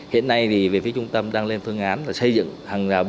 hiện nay thì về phía trung tâm đang lên phương án là xây dựng hàng rào